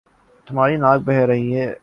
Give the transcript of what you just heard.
تمہاری ناک بہ رہی ہے